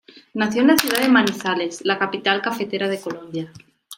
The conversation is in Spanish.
Nació en la ciudad de Manizales, la capital cafetera de Colombia.